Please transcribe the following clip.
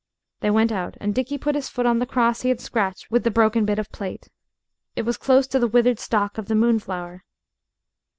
They went out. And Dickie put his foot on the cross he had scratched with the broken bit of plate. It was close to the withered stalk of the moonflower.